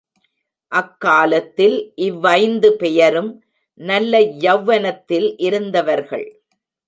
அக்காலத்தில் இவ்வைந்து பெயரும் நல்ல யௌவனத்தில் இருந்தவர்கள்.